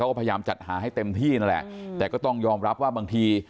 ก็พยายามจัดหาให้เต็มที่นั่นแหละแต่ก็ต้องยอมรับว่าบางที